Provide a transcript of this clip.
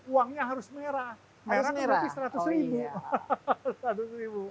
uangnya harus merah merahnya berarti seratus ribu